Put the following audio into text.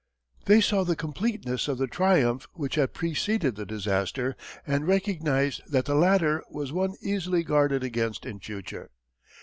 They saw the completeness of the triumph which had preceded the disaster and recognized that the latter was one easily guarded against in future.